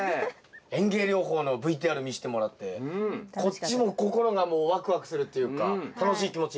園芸療法のＶＴＲ見してもらってこっちも心がもうワクワクするっていうか楽しい気持ちになりました。